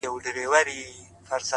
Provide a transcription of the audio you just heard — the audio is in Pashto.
پايزېب به دركړمه د سترگو توره;